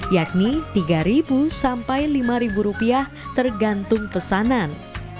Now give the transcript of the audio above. yakni tiga ribu sampai lima ribu rupiah tergantung pesanan